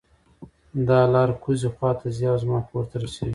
دا لار کوزۍ خوا ته ځي او زما کور ته رسیږي